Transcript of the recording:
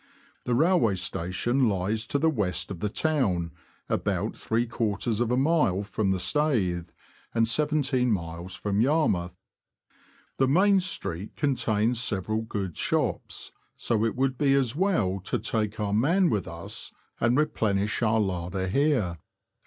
The railway station lies to the west of the town, about three quarters of a mile from the Staithe, and seventeen miles from Yarmouth. The main street contains several good shops, so it would be as well to take our man with us, and replenish our larder here.